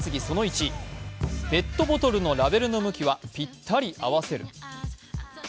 その１、ペットボトルのラベルの向きはぴったり合わせる。